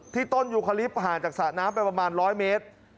ที่ต้นยุคลิปผ่านจากสระน้ำไปประมาณร้อยเมตร